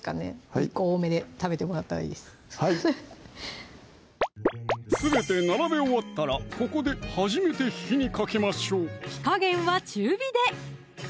はいすべて並べ終わったらここで初めて火にかけましょう火加減は中火で！